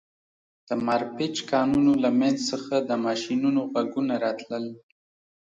د مارپیچ کانونو له منځ څخه د ماشینونو غږونه راتلل